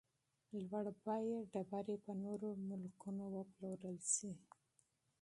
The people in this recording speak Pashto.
قیمتي تیږي په نورو ملکونو وپلورل شي.